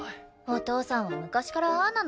お父さんは昔からああなの。